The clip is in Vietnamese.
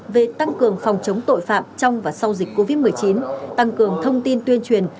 về tăng cường phòng chống tội phạm trong và sau dịch covid một mươi chín tăng cường thông tin tuyên truyền